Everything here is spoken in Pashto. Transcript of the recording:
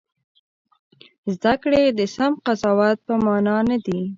زده کړې د سم قضاوت په مانا نه دي.